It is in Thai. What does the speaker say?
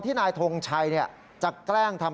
เพราะถูกทำร้ายเหมือนการบาดเจ็บเนื้อตัวมีแผลถลอก